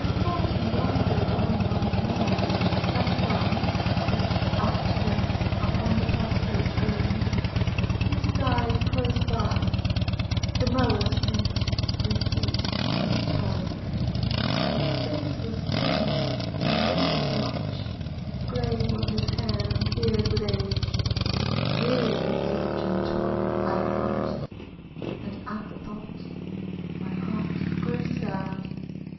I tho't and wandered on once more, And found stretched out to rest Upon the prostrate grain, his scythe close by, The mower spent with heat and toil. His face was thin and wrinkled much. Grey were his hair and beard with age. Weary with age and toil, I tho't, And at the tho't my heart grew sad.